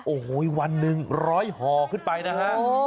โอ้โหวันหนึ่งร้อยห่อขึ้นไปนะฮะ